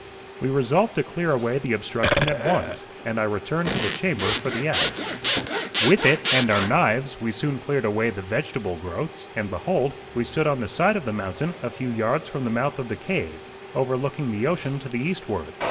We resolved to clear away the obstruction at once, and I returned to the chamber for the axe. With it and our knives we soon cleared away the vegetable growths, and behold, we stood on the side of the mountain a few yards from the mouth of cave, overlooking the ocean to the eastward.